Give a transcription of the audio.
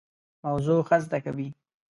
موضوع ښه زده کوي.